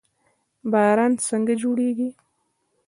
باران څنګه جوړیږي؟